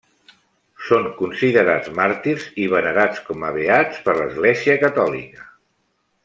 Són considerats màrtirs i venerats com a beats per l'Església Catòlica.